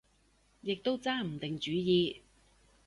亦都揸唔定主意